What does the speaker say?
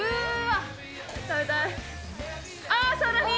あー、さらに。